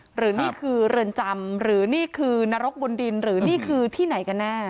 หรือนี่คือเรือนจำหรือนี่คือนรกบนดินหรือนี่คือที่ไหนกันแน่